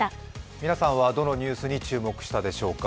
皆さんはどのニュースに注目したでしょうか。